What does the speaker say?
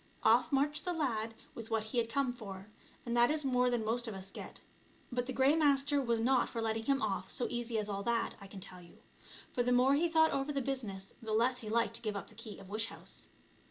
Off marched the lad with what he had come for, and that is more than most of us get. But the Grey Master was not for letting him off so easy as all that, I can tell you, for the more he thought over the business the less he liked to give up the key of wish house.